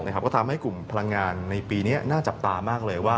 ก็ทำให้กลุ่มพลังงานในปีนี้น่าจับตามากเลยว่า